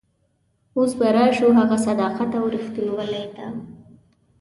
اوس به راشو هغه صداقت او رښتینولي ته.